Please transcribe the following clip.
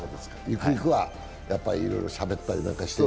ゆくゆくは、やっぱりいろいろしゃべったりして。